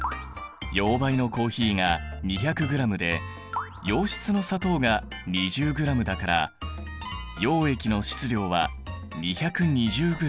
溶媒のコーヒーが２００ｇで溶質の砂糖が２０ｇだから溶液の質量は２２０ｇ。